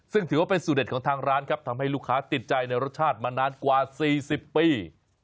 ซึ่งถือว่าเป็นสูตเด็ดของทางร้านครับทำให้ลูกค้าติดใจในรสชาติมานานกว่า๔๐ปี